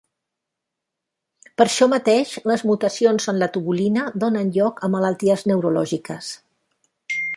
Per això mateix, les mutacions en la tubulina, donen lloc a malalties neurològiques.